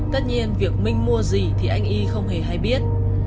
tất nhiên việc minh mua gì thì anh y không hề hay biết